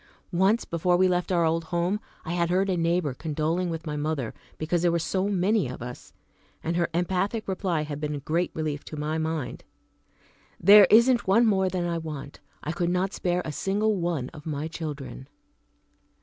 Once, before we left our old home, I had heard a neighbor condoling with my mother because there were so many of us, and her emphatic reply had been a great relief to my mind: "There is isn't one more than I want. I could not spare a single one of my children."